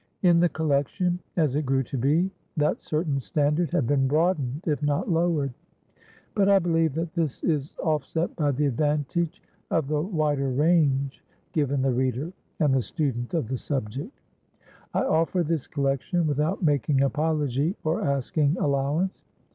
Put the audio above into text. In the collection, as it grew to be, that "certain standard" has been broadened if not lowered; but I believe that this is offset by the advantage of the wider range given the reader and the student of the subject. I offer this collection without making apology or asking allowance.